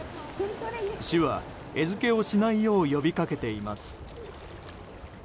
市は、餌付けをしないよう呼びかけています。